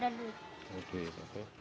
nggak ada duit